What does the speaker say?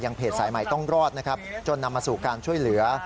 เพจสายใหม่ต้องรอดนะครับจนนำมาสู่การช่วยเหลือ